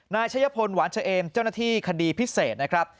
นายชัยพลหวานเฉเอมเจ้าหน้าที่คดีพิเศษนะครับ